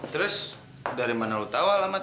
terus dari mana lo tahu alamatnya